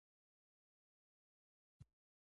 د ماښام اواز د دوی زړونه ارامه او خوښ کړل.